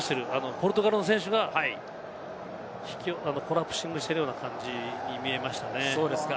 ポルトガルの選手がコラプシングしているような感じに見えましたね。